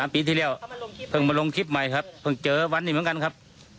ปีที่แล้วเพิ่งมาลงคลิปใหม่ครับเพิ่งเจอวันนี้เหมือนกันครับ